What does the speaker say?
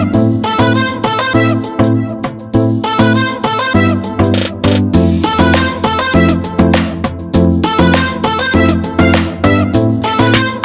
ดนตรีมาก